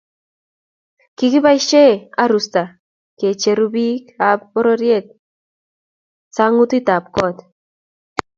Kikiboisie arusta ke cheru biikab boriet sang'utab koot